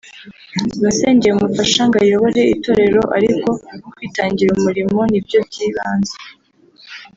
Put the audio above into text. nasengeye umufasha ngo ayobore itorero ariko kwitangira umurimo ni byo by’ibanze